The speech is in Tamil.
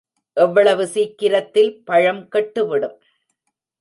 எவ்வளவு சிக்கிரத்தில் பழம் கெட்டுவிடும்!